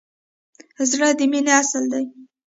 زړه د مینې اصل دی.